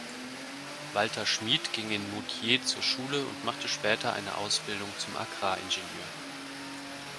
Walter Schmied ging in Moutier zur Schule und machte später eine Ausbildung zum Agraringenieur.